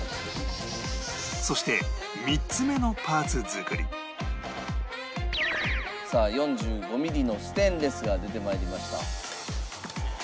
そして３つ目のパーツ作りさあ４５ミリのステンレスが出て参りました。